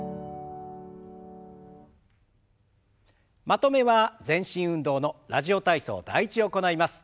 まとめは全身運動の「ラジオ体操第１」を行います。